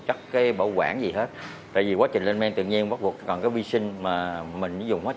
chất cái bảo quản gì hết tại vì quá trình lên men tự nhiên bắt buộc còn cái vi sinh mà mình dùng hết